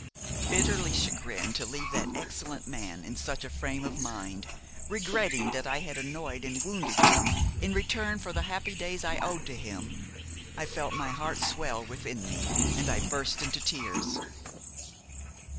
Bitterly chagrined to leave that excellent man in such a frame of mind, regretting that I had annoyed and wounded him in return for the happy days I owed to him, I felt my heart swell within me and I burst into tears.